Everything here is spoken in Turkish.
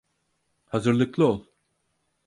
Hazırlıklı ol.